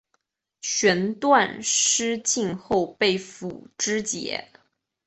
弦断矢尽后被俘支解。